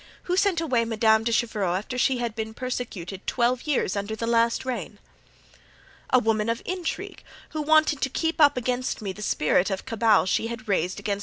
Who sent away Madame de Chevreuse after she had been persecuted twelve years under the last reign?" "A woman of intrigue, who wanted to keep up against me the spirit of cabal she had raised against M.